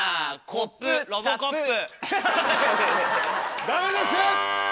コップロボコップ。